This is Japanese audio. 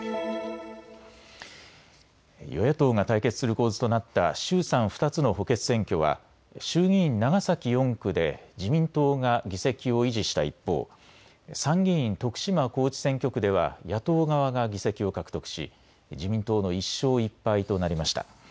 与野党が対決する構図となった衆参２つの補欠選挙は衆議院長崎４区で自民党が議席を維持した一方、参議院徳島高知選挙区では野党側が議席を獲得し自民党の１勝１敗となりました。